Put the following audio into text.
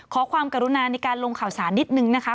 ขอความกรุณาในการลงข่าวสารนิดนึงนะคะ